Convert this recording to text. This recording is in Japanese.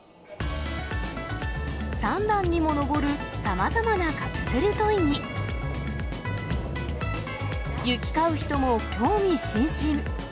３段にも上るさまざまなカプセルトイに、行き交う人も興味津々。